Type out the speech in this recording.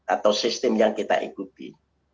atau sistem yang kita ikuti